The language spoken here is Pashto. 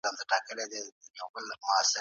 ایا مسلکي بڼوال وچه الوچه اخلي؟